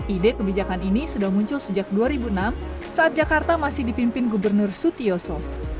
ide kebijakan ini sudah muncul sejak dua ribu enam saat jakarta masih dipimpin gubernur sutioso